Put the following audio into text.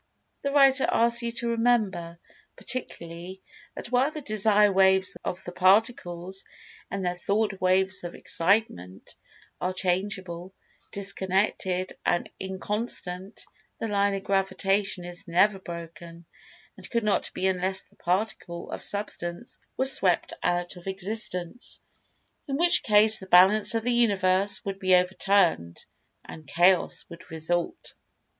The writer asks you to remember, particularly, that while the Desire waves of the Particles,—and their Thought waves of Excitement—are changeable, disconnected, and inconstant; the Line of Gravitation is never broken, and could not be unless the Particle of Substance was swept out of existence, in which case the balance of the Universe would be overturned, and chaos would result.